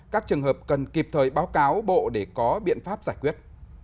các trường hợp cần kịp thời báo cáo bộ để có biện pháp giải quyết